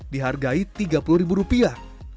dihargai tiga puluh ribu rupiah